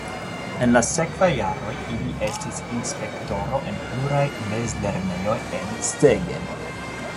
En la sekvaj jaroj li estis inspektoro en pluraj mezlernejoj en Szeged.